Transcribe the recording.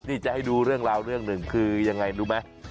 นี่จะให้ดูเรื่องราวเรื่องหนึ่งคือยังไงรู้ไหม